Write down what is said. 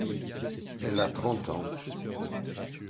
Elle a trente ans.